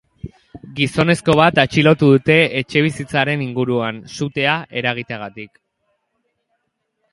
Gizonezko bat atxilotu dute etxebizitzaren inguruan, sutea eragiteagatik.